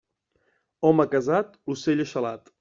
Home casat, ocell eixalat.